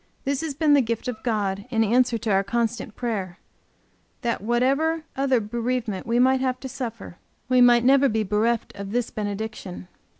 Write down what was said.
This has been the gift of God in answer to our constant prayer, that whatever other bereavement we might have to suffer, we might never be bereft of this benediction.